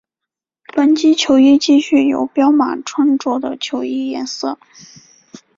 本季球衣继续由彪马穿着的球衣颜色。